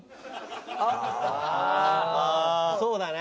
そうだな。